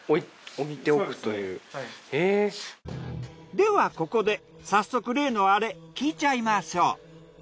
ではここで早速例のアレ聞いちゃいましょう。